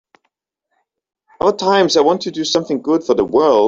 Other times I want to do something good for the world.